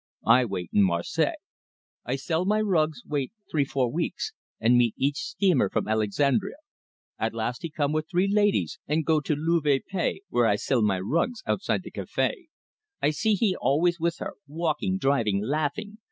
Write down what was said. I wait in Marseilles. I sell my rugs, wait three, four weeks and meet each steamer from Alexandria. At last he come with three laidees, and go to the Louvre et Paix, where I sell my rugs outside the café. I see he always with her walking, driving, laughing.